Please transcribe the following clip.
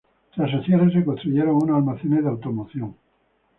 Tras su cierre, se construyeron unos almacenes de automoción.